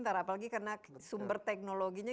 apalagi karena sumber teknologinya